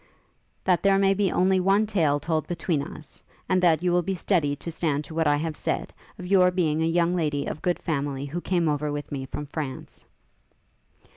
'That there may be only one tale told between us, and that you will be steady to stand to what I have said, of your being a young lady of good family, who came over with me from France.'